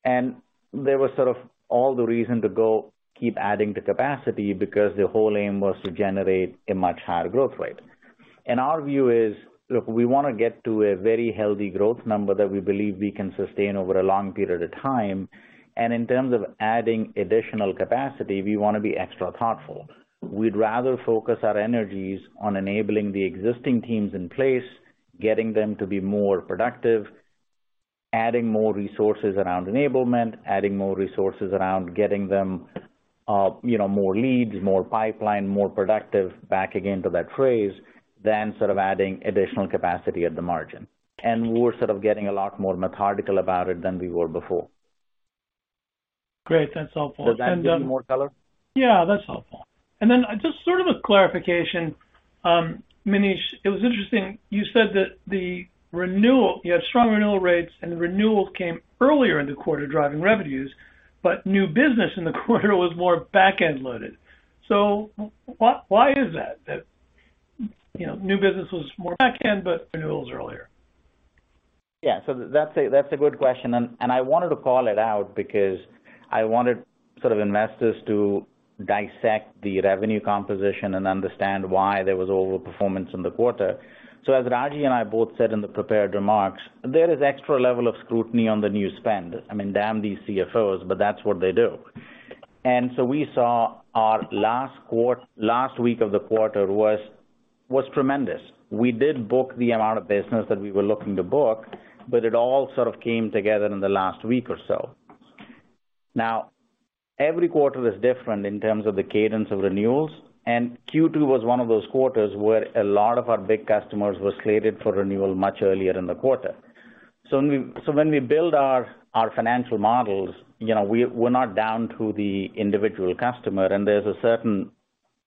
There was sort of all the reason to go keep adding the capacity because the whole aim was to generate a much higher growth rate. Our view is, look, we wanna get to a very healthy growth number that we believe we can sustain over a long period of time. In terms of adding additional capacity, we wanna be extra thoughtful. We'd rather focus our energies on enabling the existing teams in place, getting them to be more productive, adding more resources around enablement, adding more resources around getting them, you know, more leads, more pipeline, more productive back again to that phrase than sort of adding additional capacity at the margin. We're sort of getting a lot more methodical about it than we were before. Great. That's helpful. Does that give you more color? Yeah, that's helpful. Just sort of a clarification, Manish, it was interesting you said that the renewal, you had strong renewal rates, and the renewal came earlier in the quarter driving revenues, but new business in the quarter was more back-end loaded. Why is that? You know, new business was more back end, but renewals earlier. That's a good question, and I wanted to call it out because I wanted for investors to dissect the revenue composition and understand why there was overperformance in the quarter. As Ragy and I both said in the prepared remarks, there is an extra level of scrutiny on the new spend. I mean, damn these CFOs, but that's what they do. We saw our last week of the quarter was tremendous. We did book the amount of business that we were looking to book, but it all sort of came together in the last week or so. Now, every quarter is different in terms of the cadence of renewals, and Q2 was one of those quarters where a lot of our big customers were slated for renewal much earlier in the quarter. When we build our financial models, you know, we're not down to the individual customer, and there's a certain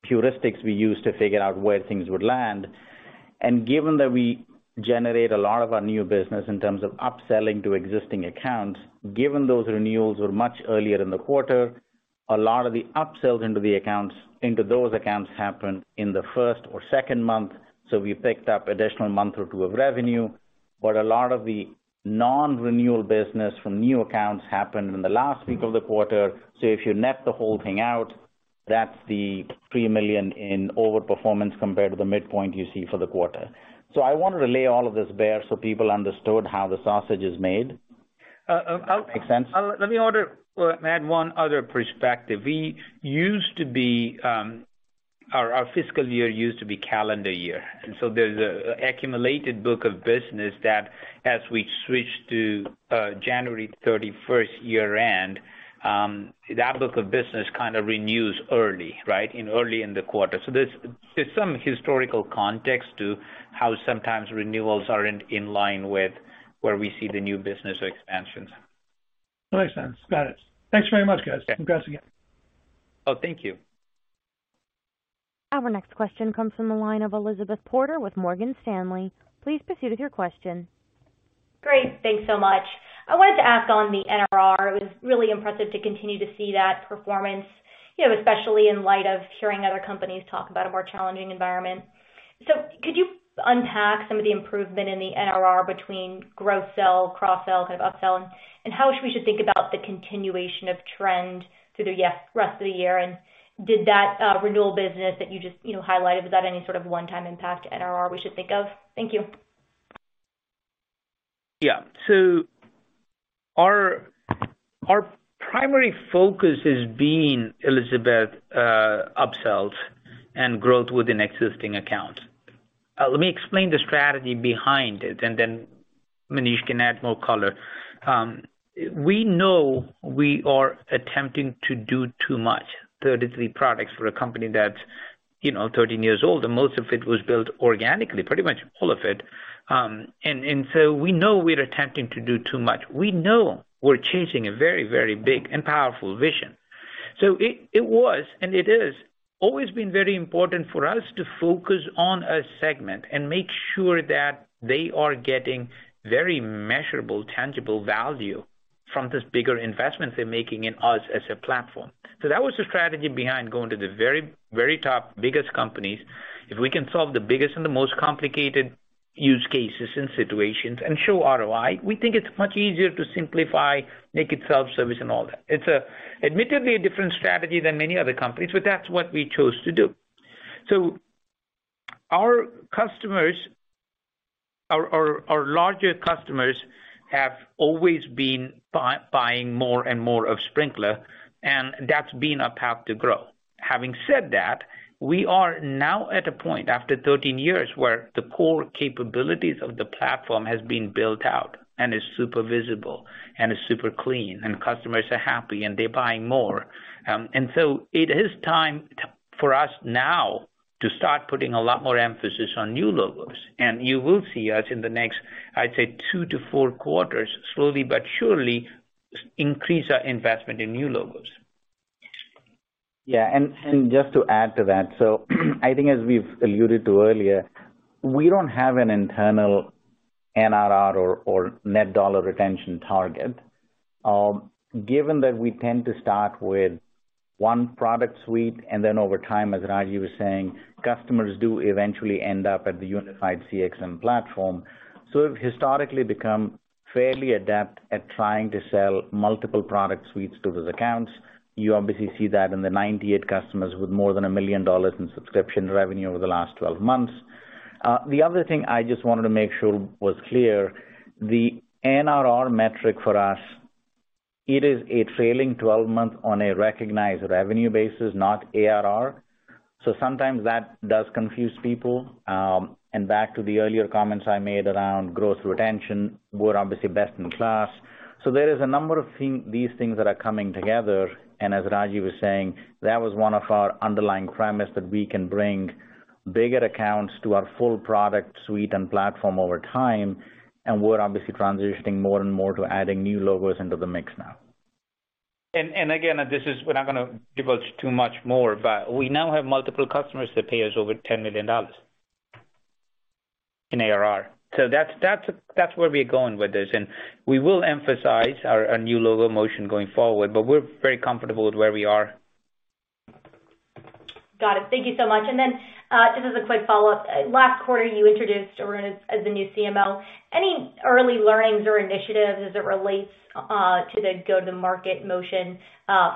heuristics we use to figure out where things would land. Given that we generate a lot of our new business in terms of upselling to existing accounts, those renewals were much earlier in the quarter, a lot of the upsells into those accounts happened in the first or second month, so we picked up additional month or two of revenue, but a lot of the non-renewal business from new accounts happened in the last week of the quarter. If you net the whole thing out, that's the $3 million in overperformance compared to the midpoint you see for the quarter. I want to relay all of this there so people understood how the sausage is made. Make sense? Add one other perspective. Our fiscal year used to be calendar year, and so there's a accumulated book of business that as we switch to January 31st year-end, that book of business kind of renews early, right? In early in the quarter. There's some historical context to how sometimes renewals aren't in line with where we see the new business expansions. That makes sense. Got it. Thanks very much, guys. Okay. Congrats again. Oh, thank you. Our next question comes from the line of Elizabeth Porter with Morgan Stanley. Please proceed with your question. Great. Thanks so much. I wanted to ask on the NRR. It was really impressive to continue to see that performance, you know, especially in light of hearing other companies talk about a more challenging environment. Could you unpack some of the improvement in the NRR between growth sell, cross-sell, kind of upsell, and how we should think about the continuation of trend through the rest of the year? Did that renewal business that you just, you know, highlighted, was that any sort of one-time impact to NRR we should think of? Thank you. Yeah. Our primary focus has been, Elizabeth, upsells and growth within existing accounts. Let me explain the strategy behind it, and then Manish can add more color. We know we are attempting to do too much, 33 products for a company that's, you know, 13 years old, and most of it was built organically, pretty much all of it. We know we're attempting to do too much. We know we're chasing a very, very big and powerful vision. It was, and it is, always been very important for us to focus on a segment and make sure that they are getting very measurable, tangible value from this bigger investment they're making in us as a platform. That was the strategy behind going to the very, very top biggest companies. If we can solve the biggest and the most complicated use cases and situations and show ROI, we think it's much easier to simplify, make it self-service and all that. It's admittedly a different strategy than many other companies, but that's what we chose to do. Our larger customers have always been buying more and more of Sprinklr, and that's been our path to grow. Having said that, we are now at a point, after 13 years, where the core capabilities of the platform has been built out and is super visible and is super clean and customers are happy and they're buying more. It is time for us now to start putting a lot more emphasis on new logos. You will see us in the next, I'd say, two to four quarters, slowly but surely, increase our investment in new logos. Yeah. I think as we've alluded to earlier, we don't have an internal NRR or net dollar retention target. Given that we tend to start with one product suite, and then over time, as Ragy was saying, customers do eventually end up at the unified CXM platform. We've historically become fairly adept at trying to sell multiple product suites to those accounts. You obviously see that in the 98 customers with more than $1 million in subscription revenue over the last 12 months. The other thing I just wanted to make sure was clear, the NRR metric for us, it is a trailing 12-month on a recognized revenue basis, not ARR. Sometimes that does confuse people. Back to the earlier comments I made around growth retention, we're obviously best in class. There is a number of these things that are coming together, and as Ragy was saying, that was one of our underlying premise that we can bring bigger accounts to our full product suite and platform over time, and we're obviously transitioning more and more to adding new logos into the mix now. We're not gonna divulge too much more, but we now have multiple customers that pay us over $10 million in ARR. That's where we're going with this. We will emphasize our new logo motion going forward, but we're very comfortable with where we are. Got it. Thank you so much. Just as a quick follow-up. Last quarter, you introduced Arun as the new CMO. Any early learnings or initiatives as it relates to the go-to-market motion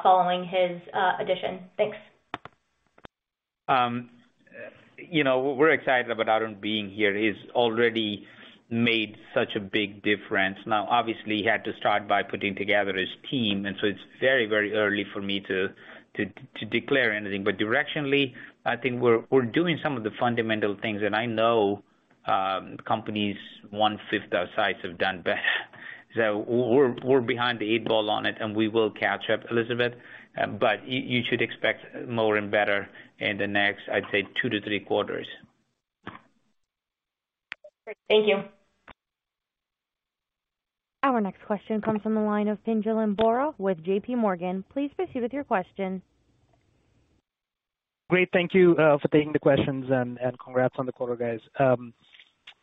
following his addition? Thanks. You know, we're excited about Arun being here. He's already made such a big difference. Now, obviously he had to start by putting together his team, and so it's very, very early for me to declare anything. Directionally, I think we're doing some of the fundamental things, and I know companies 1/5 our size have done better. We're behind the eight ball on it, and we will catch up, Elizabeth. You should expect more and better in the next, I'd say, two to three quarters. Thank you. Our next question comes from the line of Pinjalim Bora with J.P. Morgan. Please proceed with your question. Great. Thank you for taking the questions and congrats on the quarter, guys.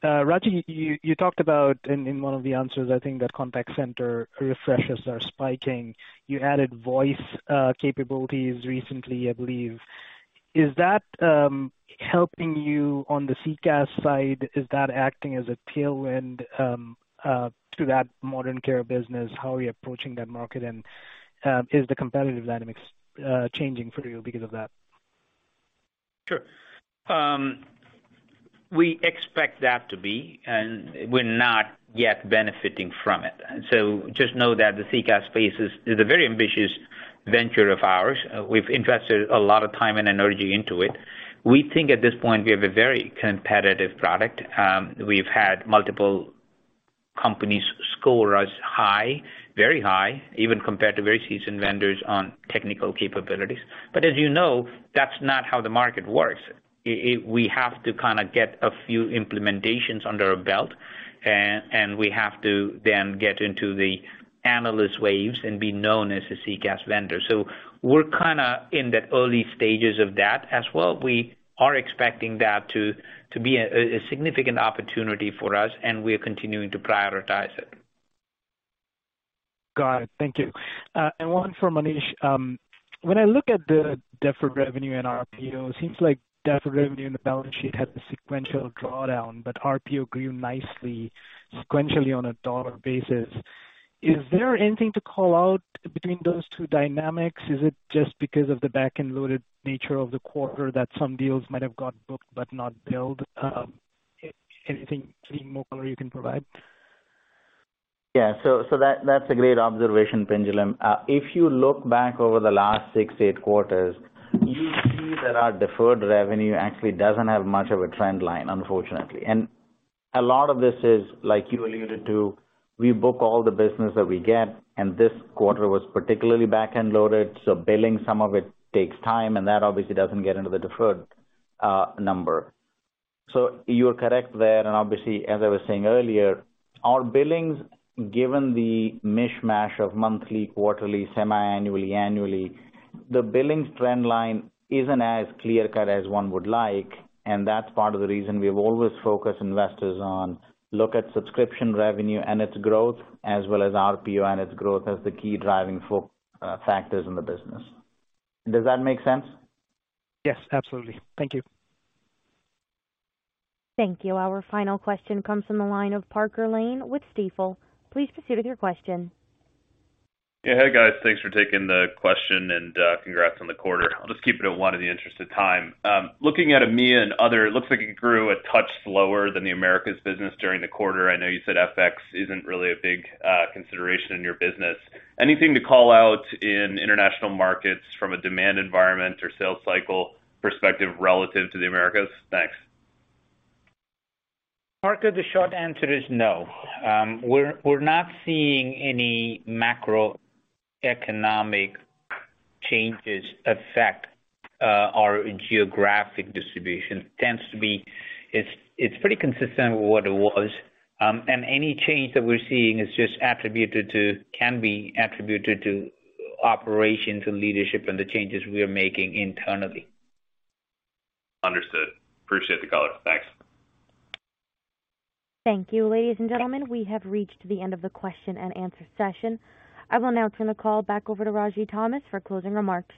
Ragy, you talked about in one of the answers, I think, that contact center refreshes are spiking. You added voice capabilities recently, I believe. Is that helping you on the CCaaS side? Is that acting as a tailwind to that Modern Care business? How are you approaching that market? Is the competitive dynamics changing for you because of that? Sure. We expect that to be, and we're not yet benefiting from it. Just know that the CCaaS space is a very ambitious venture of ours. We've invested a lot of time and energy into it. We think at this point we have a very competitive product. We've had multiple companies score us high, very high, even compared to very seasoned vendors on technical capabilities. As you know, that's not how the market works. We have to kinda get a few implementations under our belt, and we have to then get into the analyst waves and be known as a CCaaS vendor. We're kinda in the early stages of that as well. We are expecting that to be a significant opportunity for us, and we're continuing to prioritize it. Got it. Thank you. One for Manish. When I look at the deferred revenue and RPO, seems like deferred revenue in the balance sheet had a sequential drawdown, but RPO grew nicely sequentially on a dollar basis. Is there anything to call out between those two dynamics? Is it just because of the back-end loaded nature of the quarter that some deals might have got booked but not billed? Anything, any more color you can provide? Yeah. That's a great observation, Pinjalim. If you look back over the last six, eight quarters, you see that our deferred revenue actually doesn't have much of a trend line, unfortunately. A lot of this is like you alluded to, we book all the business that we get, and this quarter was particularly back-end loaded, so billing some of it takes time, and that obviously doesn't get into the deferred number. You're correct there. Obviously, as I was saying earlier, our billings, given the mishmash of monthly, quarterly, semiannually, annually, the billings trend line isn't as clear cut as one would like, and that's part of the reason we've always focused investors on look at subscription revenue and its growth as well as RPO and its growth as the key driving factors in the business. Does that make sense? Yes, absolutely. Thank you. Thank you. Our final question comes from the line of Parker Lane with Stifel. Please proceed with your question. Yeah. Hey, guys. Thanks for taking the question and congrats on the quarter. I'll just keep it at one in the interest of time. Looking at EMEA and other, it looks like it grew a touch slower than the Americas business during the quarter. I know you said FX isn't really a big consideration in your business. Anything to call out in international markets from a demand environment or sales cycle perspective relative to the Americas? Thanks. Parker, the short answer is no. We're not seeing any macroeconomic changes affect our geographic distribution. Tends to be. It's pretty consistent with what it was. Any change that we're seeing can be attributed to operations and leadership and the changes we are making internally. Understood. Appreciate the color. Thanks. Thank you. Ladies and gentlemen, we have reached the end of the question and answer session. I will now turn the call back over to Ragy Thomas for closing remarks.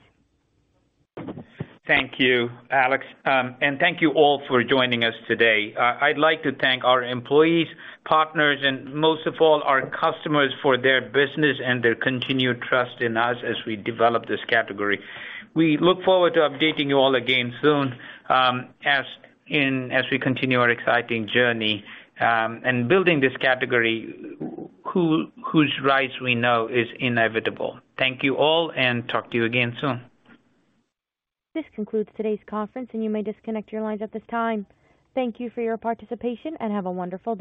Thank you, Alex. Thank you all for joining us today. I'd like to thank our employees, partners, and most of all, our customers for their business and their continued trust in us as we develop this category. We look forward to updating you all again soon, as we continue our exciting journey, and building this category whose rise we know is inevitable. Thank you all, and talk to you again soon. This concludes today's conference, and you may disconnect your lines at this time. Thank you for your participation, and have a wonderful day.